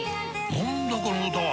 何だこの歌は！